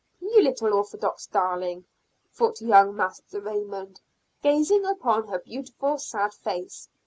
"You little orthodox darling!" thought young Master Raymond, gazing upon her beautiful sad face.